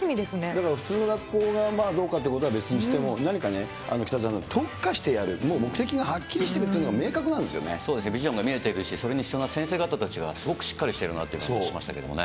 だから普通の学校がどうかということは別にしても、何かね、北澤さん、特化してやる、もう目的がはっきりしてるっていうのがそうですね、ビジョンが見えているので、しかも先生たちがすごくしっかりしてるなって感じしましたね。